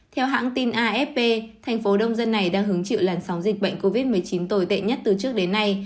theo hãng tin afp thành phố đông dân này đang hứng chịu làn sóng dịch bệnh covid một mươi chín tồi tệ nhất từ trước đến nay